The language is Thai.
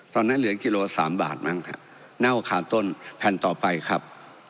ตอนนั้นเหลือกิโลสามบาทมั้งฮะหน้าวคาต้นแผ่นต่อไปครับ